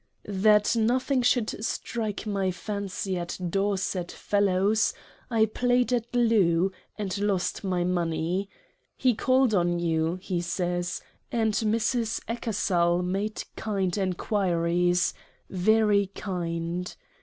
That nothing should strike my fancy at Dorset Fellowes's, I played at Loo, and lost my Money. He called on you, he says, and Mrs. Eckersall made kind Enquiries very kind.